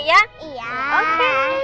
iya oke dadah